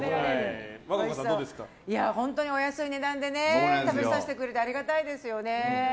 本当にお安い値段で食べさせてくれてありがたいですよね。